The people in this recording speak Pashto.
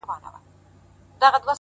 نه؛ مزل سخت نه و ـ آسانه و له هري چاري ـ